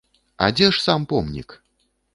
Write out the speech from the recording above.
А дзе ж сам помнік?